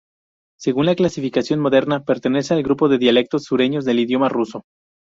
Según la clasificación moderna pertenece al grupo de dialectos sureños del idioma ruso.